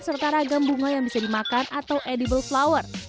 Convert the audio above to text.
serta ragam bunga yang bisa dimakan atau edible flower